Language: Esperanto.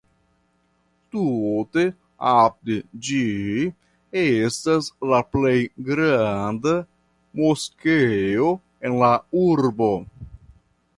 Tute apud ĝi estas la plej granda moskeo en la urbo.